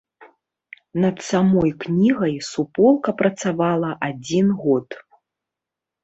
Над самой кнігай суполка працавала адзін год.